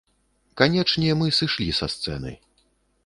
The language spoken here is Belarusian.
Канечне, мы сышлі са сцэны.